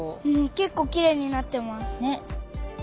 けっこうきれいになってます。